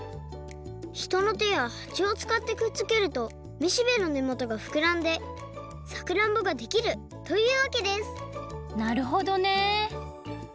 ひとのてやはちをつかってくっつけるとめしべのねもとがふくらんでさくらんぼができるというわけですなるほどね